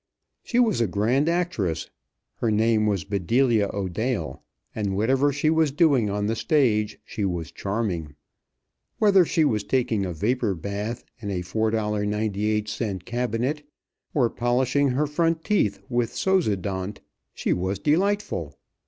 She was a grand actress. Her name was Bedelia O'Dale; and, whatever she was doing on the stage, she was charming. Whether she was taking a vapor bath in a $4.98 cabinet or polishing her front teeth with Sozodont, she was delightful.